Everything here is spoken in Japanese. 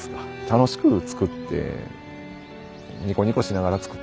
楽しく作ってニコニコしながら作っ